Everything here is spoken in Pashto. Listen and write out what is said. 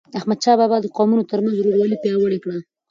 احمدشاه بابا د قومونو ترمنځ ورورولي پیاوړی کړه.